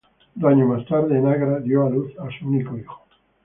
Dos años más tarde, en Agra, dio a luz a su único hijo.